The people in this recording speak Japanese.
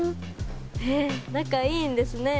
へぇ仲いいんですね。